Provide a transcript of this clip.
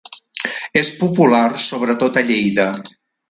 És popular sobretot a Lleida.